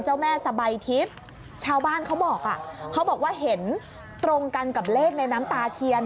เจ้าแม่สบายทิพย์ชาวบ้านเขาบอกอ่ะเขาบอกว่าเห็นตรงกันกับเลขในน้ำตาเทียน